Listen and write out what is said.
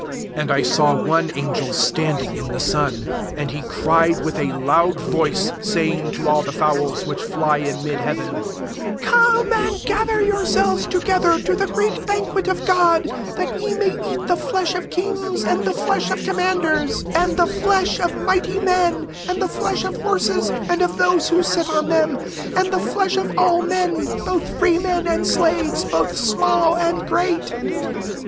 17 And I saw [one] angel standing in the sun; and he cried with a loud voice, saying to all the fowls which fly in mid heaven, " Come and gather yourselves together to the great banquet of God; 18 that yc may eat the flesh of kings, and the flesh of commanders, and REVELATION XX. 413 the flesh of mighty men, and the flesh of horses and of those who sit on them, and the flesh of all meiiy both free men and slaves, both small and great."